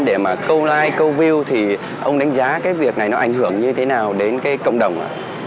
để mà câu like câu view thì ông đánh giá cái việc này nó ảnh hưởng như thế nào đến cái cộng đồng ạ